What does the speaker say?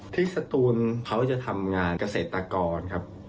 สตูนเขาจะทำงานเกษตรกรครับ